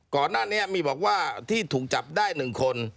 ก่อนหน้านี้มีบอกว่าที่ถูกจับได้๑คน